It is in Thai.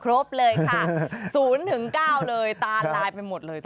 ครบเลยค่ะ๐๙เลยตาลายไปหมดเลย